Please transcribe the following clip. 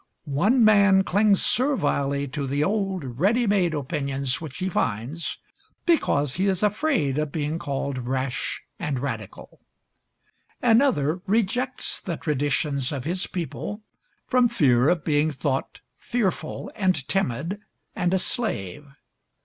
One man clings servilely to the old ready made opinions which he finds, because he is afraid of being called rash and radical; another rejects the traditions of his people from fear of being thought fearful, and timid, and a slave.